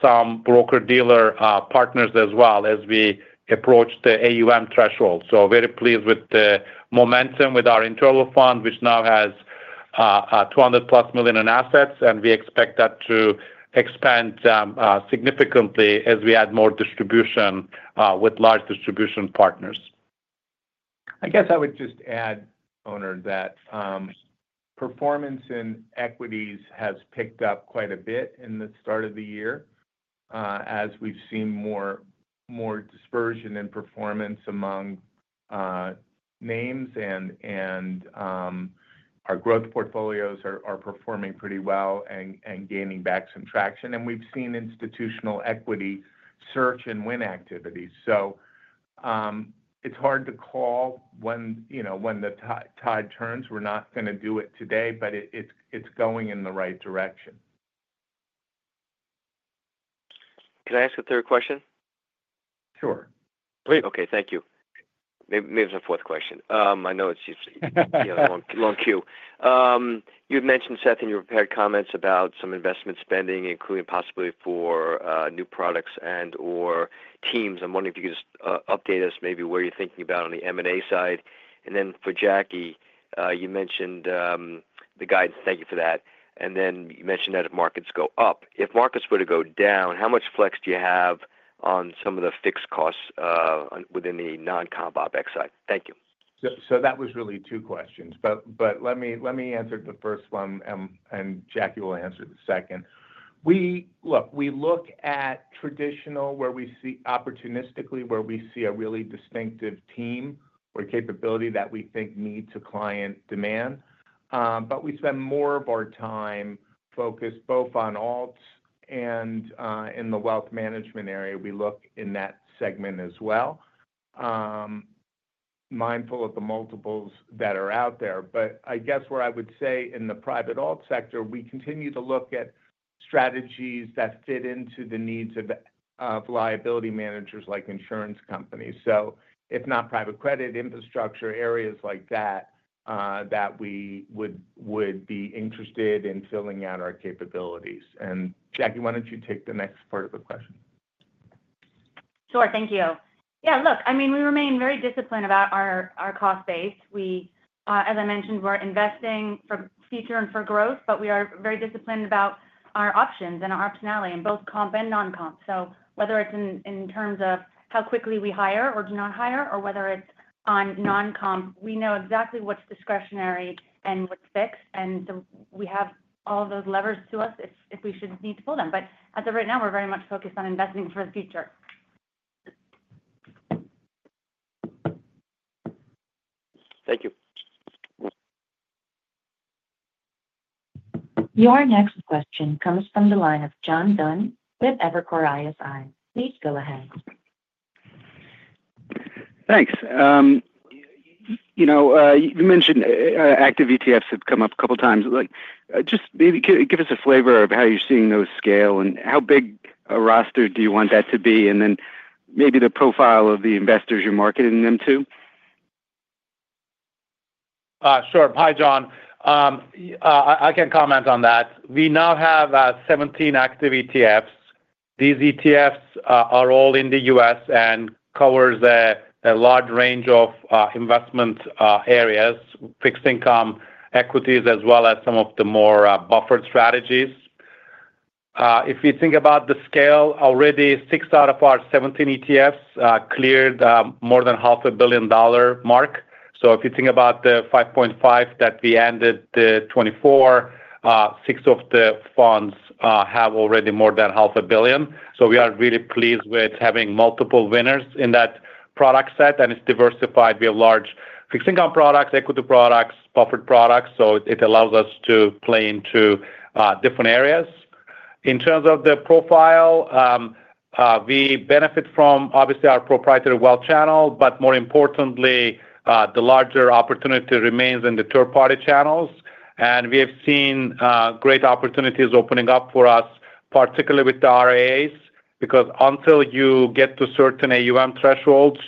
some broker-dealer partners as well as we approach the AUM threshold. So very pleased with the momentum with our interval fund, which now has 200-plus million in assets, and we expect that to expand significantly as we add more distribution with large distribution partners. I guess I would just add, Onur, that performance in equities has picked up quite a bit in the start of the year as we've seen more dispersion in performance among names, and our growth portfolios are performing pretty well and gaining back some traction. And we've seen institutional equity search and win activity. So it's hard to call when the tide turns. We're not going to do it today, but it's going in the right direction. Can I ask a third question? Sure. Please. Okay. Thank you. Maybe it's a fourth question. I know it's just a long queue. You had mentioned Seth in your prepared comments about some investment spending, including possibility for new products and/or teams. I'm wondering if you could just update us maybe where you're thinking about on the M&A side. And then for Jackie, you mentioned the guidance. Thank you for that. And then you mentioned that if markets go up, if markets were to go down, how much flex do you have on some of the fixed costs within the non-compensation expenses? Thank you. So that was really two questions, but let me answer the first one, and Jackie will answer the second. Look, we look at traditional where we see opportunistically where we see a really distinctive team or capability that we think meets a client demand. But we spend more of our time focused both on alts and in the wealth management area. We look in that segment as well, mindful of the multiples that are out there. But I guess where I would say in the private alts sector, we continue to look at strategies that fit into the needs of liability managers like insurance companies. So if not private credit infrastructure, areas like that that we would be interested in filling out our capabilities. And Jackie, why don't you take the next part of the question? Sure. Thank you. Yeah. Look, I mean, we remain very disciplined about our cost base. As I mentioned, we're investing for future and for growth, but we are very disciplined about our options and our optionality in both comp and non-comp. So whether it's in terms of how quickly we hire or do not hire, or whether it's on non-comp, we know exactly what's discretionary and what's fixed. And so we have all of those levers to us if we should need to pull them. But as of right now, we're very much focused on investing for the future. Thank you. Your next question comes from the line of John Dunn with Evercore ISI. Please go ahead. Thanks. You mentioned active ETFs have come up a couple of times. Just maybe give us a flavor of how you're seeing those scale and how big a roster do you want that to be, and then maybe the profile of the investors you're marketing them to? Sure. Hi, John. I can comment on that. We now have 17 active ETFs. These ETFs are all in the U.S. and cover the large range of investment areas, fixed income equities, as well as some of the more buffered strategies. If we think about the scale, already six out of our 17 ETFs cleared more than $500 million mark. So if you think about the $5.5 billion that we ended the 2024, six of the funds have already more than $500 million. So we are really pleased with having multiple winners in that product set, and it's diversified. We have large fixed income products, equity products, buffered products. So it allows us to play into different areas. In terms of the profile, we benefit from, obviously, our proprietary wealth channel, but more importantly, the larger opportunity remains in the third-party channels. And we have seen great opportunities opening up for us, particularly with the RIAs because until you get to certain AUM thresholds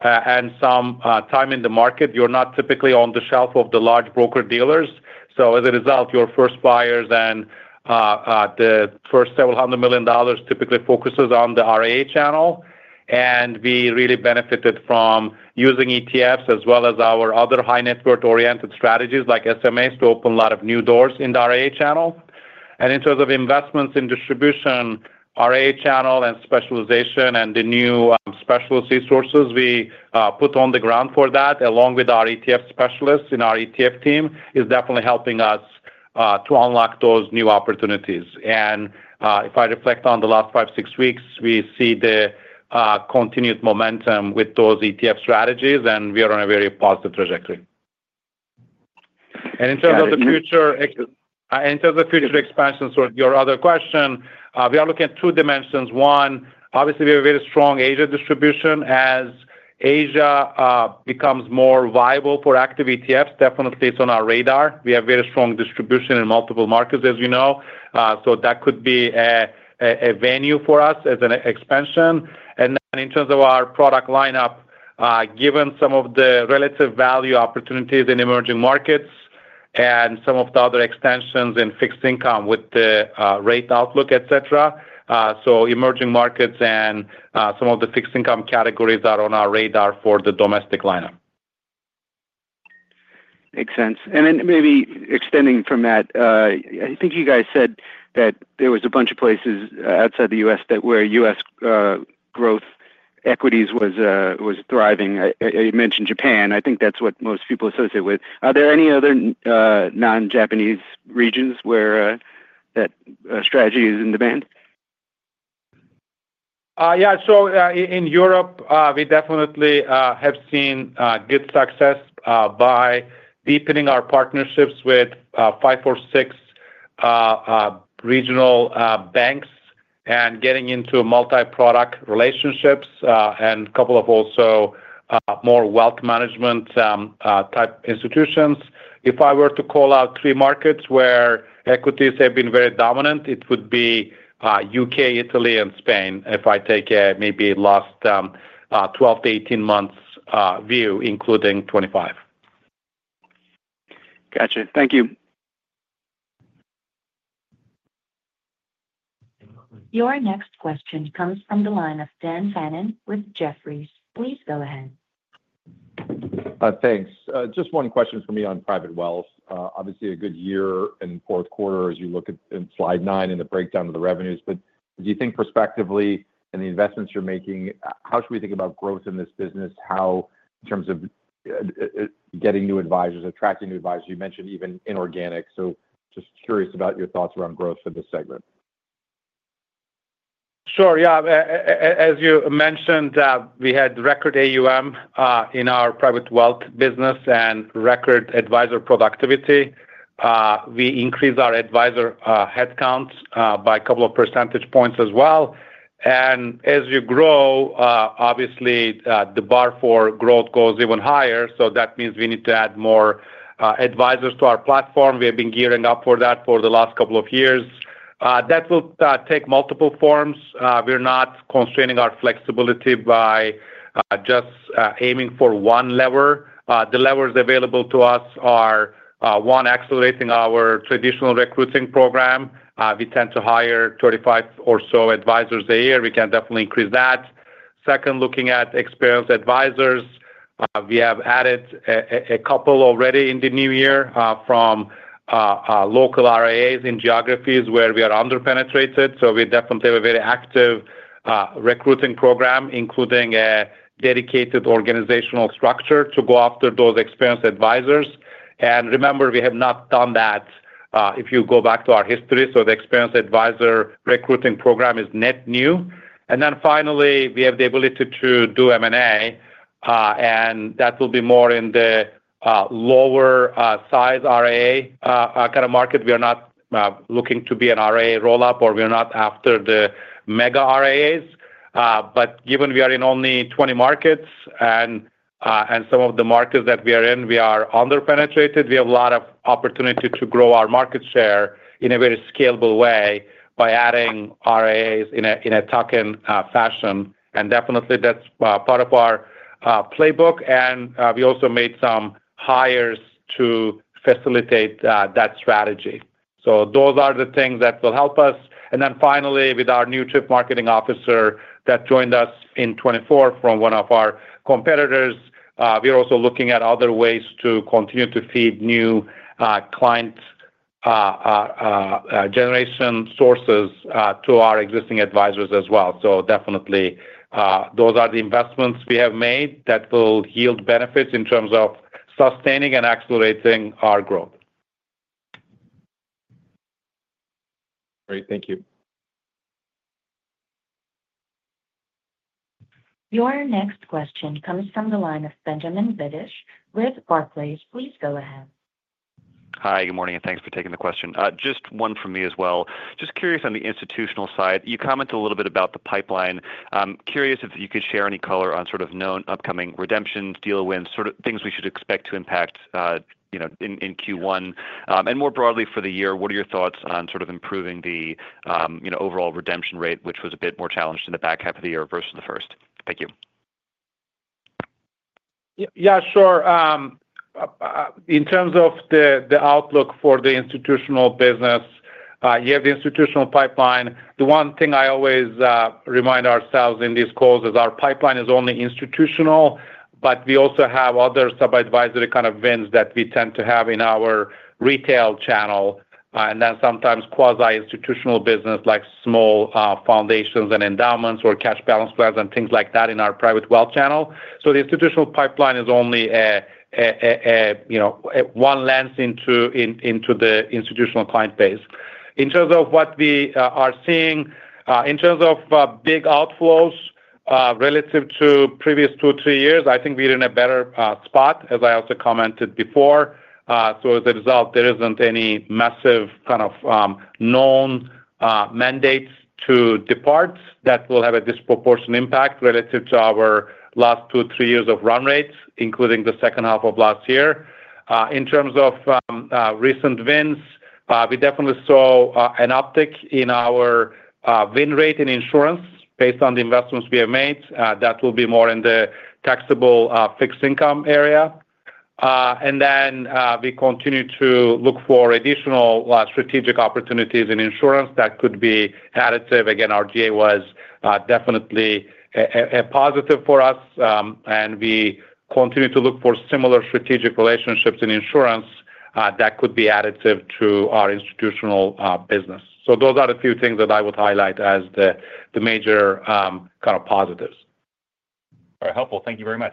and some time in the market, you're not typically on the shelf of the large broker-dealers. So as a result, your first buyers and the first several hundred million dollars typically focuses on the RIA channel. And we really benefited from using ETFs as well as our other high-net-worth oriented strategies like SMAs to open a lot of new doors in the RIA channel. In terms of investments in distribution, RIA channel and specialization and the new specialist resources we put on the ground for that, along with our ETF specialists in our ETF team, is definitely helping us to unlock those new opportunities. If I reflect on the last five, six weeks, we see the continued momentum with those ETF strategies, and we are on a very positive trajectory. In terms of future expansions, your other question, we are looking at two dimensions. One, obviously, we have a very strong Asia distribution. As Asia becomes more viable for active ETFs, definitely it's on our radar. We have very strong distribution in multiple markets, as you know. So that could be an avenue for us as an expansion. And then in terms of our product lineup, given some of the relative value opportunities in emerging markets and some of the other extensions in fixed income with the rate outlook, etc., so emerging markets and some of the fixed income categories are on our radar for the domestic lineup. Makes sense. And then maybe extending from that, I think you guys said that there was a bunch of places outside the U.S. where U.S. growth equities was thriving. You mentioned Japan. I think that's what most people associate with. Are there any other non-Japanese regions where that strategy is in demand? Yeah. So in Europe, we definitely have seen good success by deepening our partnerships with five or six regional banks and getting into multi-product relationships and a couple of also more wealth management type institutions. If I were to call out three markets where equities have been very dominant, it would be U.K., Italy, and Spain if I take maybe last 12 months-18 months view, including 2025. Gotcha. Thank you. Your next question comes from the line of Dan Fannon with Jefferies. Please go ahead. Thanks. Just one question for me on private wealth. Obviously, a good year in fourth quarter as you look at slide nine and the breakdown of the revenues. But do you think prospectively in the investments you're making, how should we think about growth in this business? How in terms of getting new advisors, attracting new advisors? You mentioned even inorganic. So just curious about your thoughts around growth for this segment. Sure. Yeah. As you mentioned, we had record AUM in our private wealth business and record advisor productivity. We increased our advisor headcount by a couple of percentage points as well, and as you grow, obviously, the bar for growth goes even higher, so that means we need to add more advisors to our platform. We have been gearing up for that for the last couple of years. That will take multiple forms. We're not constraining our flexibility by just aiming for one lever. The levers available to us are one, accelerating our traditional recruiting program. We tend to hire 35 or so advisors a year. We can definitely increase that. Second, looking at experienced advisors, we have added a couple already in the new year from local RIAs in geographies where we are underpenetrated, so we definitely have a very active recruiting program, including a dedicated organizational structure to go after those experienced advisors. And remember, we have not done that if you go back to our history. So the experienced advisor recruiting program is net new. And then finally, we have the ability to do M&A, and that will be more in the lower-size RIA kind of market. We are not looking to be an RIA roll-up, or we're not after the mega RIAs. But given we are in only 20 markets and some of the markets that we are in, we are underpenetrated, we have a lot of opportunity to grow our market share in a very scalable way by adding RIAs in a tuck-in fashion. And definitely, that's part of our playbook. And we also made some hires to facilitate that strategy. So those are the things that will help us. And then finally, with our new chief marketing officer that joined us in 2024 from one of our competitors, we're also looking at other ways to continue to feed new client generation sources to our existing advisors as well. So definitely, those are the investments we have made that will yield benefits in terms of sustaining and accelerating our growth. Great. Thank you. Your next question comes from the line of Benjamin Budish with Barclays. Please go ahead. Hi. Good morning. And thanks for taking the question. Just one from me as well. Just curious on the institutional side. You commented a little bit about the pipeline. Curious if you could share any color on sort of known upcoming redemptions, deal wins, sort of things we should expect to impact in Q1. More broadly for the year, what are your thoughts on sort of improving the overall redemption rate, which was a bit more challenged in the back half of the year versus the first? Thank you. Yeah. Sure. In terms of the outlook for the institutional business, you have the institutional pipeline. The one thing I always remind ourselves in these calls is our pipeline is only institutional, but we also have other sub-advisory kind of wins that we tend to have in our retail channel, and then sometimes quasi-institutional business like small foundations and endowments or cash balance plans and things like that in our private wealth channel. So the institutional pipeline is only one lens into the institutional client base. In terms of what we are seeing, in terms of big outflows relative to previous two or three years, I think we're in a better spot, as I also commented before, so as a result, there isn't any massive kind of known mandates to depart that will have a disproportionate impact relative to our last two or three years of run rates, including the second half of last year. In terms of recent wins, we definitely saw an uptick in our win rate in insurance based on the investments we have made. That will be more in the taxable fixed income area, and then we continue to look for additional strategic opportunities in insurance that could be additive. Again, RGA was definitely a positive for us, and we continue to look for similar strategic relationships in insurance that could be additive to our institutional business. So those are the few things that I would highlight as the major kind of positives. All right. Helpful. Thank you very much.